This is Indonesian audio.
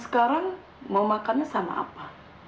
sekarang mau makannya sama apa